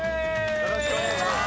よろしくお願いします。